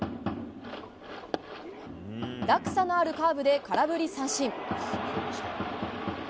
落差のあるカーブで空振り三振。